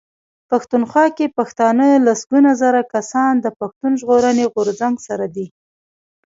پښتونخوا کې پښتانه لسګونه زره کسان د پښتون ژغورني غورځنګ سره دي.